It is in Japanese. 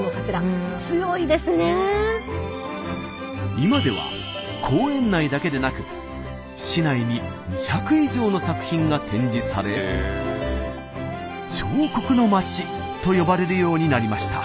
今では公園内だけでなく市内に２００以上の作品が展示され「彫刻の街」と呼ばれるようになりました。